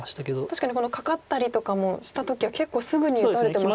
確かにカカったりとかもした時は結構すぐに打たれてましたよね。